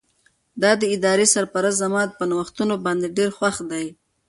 د ادارې سرپرست زما په نوښتونو باندې ډېر خوښ دی.